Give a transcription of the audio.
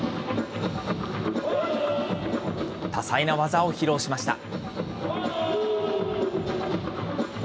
多彩な技を披露しました。